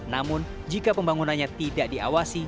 namun jika pembangunannya tidak diawasi